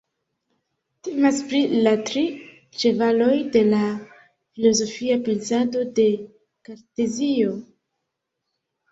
Temas pri la tri ĉevaloj de la filozofia pensado de Kartezio.